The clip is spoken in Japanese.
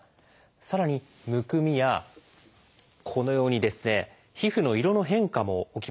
さらにむくみやこのように皮膚の色の変化も起きました。